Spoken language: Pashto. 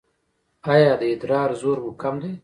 ایا د ادرار زور مو کم دی؟